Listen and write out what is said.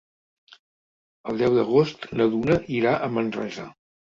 El deu d'agost na Duna irà a Manresa.